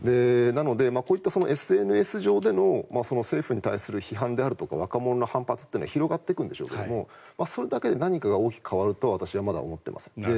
なのでこういったＳＮＳ上での政府に対する批判であるとか若者反発は広がっていくんでしょうけどそれだけで何かが大きく変わるとは私は思っています。